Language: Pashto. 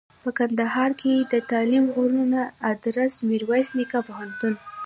په کندهار کښي دتعلم غوره ادرس میرویس نیکه پوهنتون